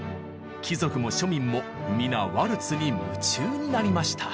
貴族も庶民も皆ワルツに夢中になりました。